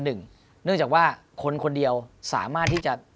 เนื่องจากว่าคนคนเดียวสามารถที่จะ